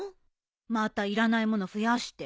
またいらない物増やして。